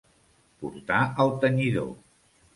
Portar al tenyidor.